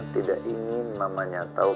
tidak ingin mamanya tahu